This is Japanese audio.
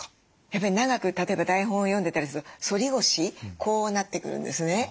やっぱり長く例えば台本を読んでたりすると反り腰こうなってくるんですね。